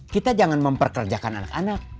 kita jangan memperkerjakan anak anak